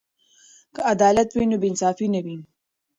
که عدالت وي نو بې انصافي نه وي.